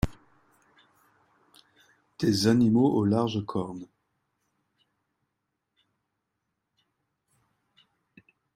Des animaux aux larges cornes.